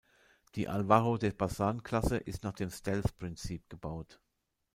Die "Álvaro-de-Bazán"-Klasse ist nach dem Stealth-Prinzip gebaut.